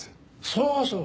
そうそう！